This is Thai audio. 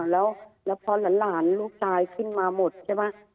แล้วพอหลานลูกตายขึ้นมาหมดใช่ไหม